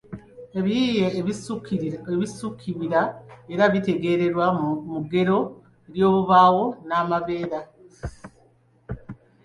ebiyiiye bisibukira era bitegeererwa mu ggero ly’obubaawo nnambeera